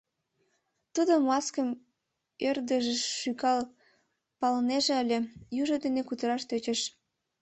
Тудо маскым ӧрдыжыш шӱкал палынеже ыле, южо дене кутыраш тӧчыш.